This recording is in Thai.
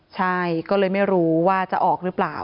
ใช่ก็เลยไม่รู้ว่าจะออกหรือเปล่า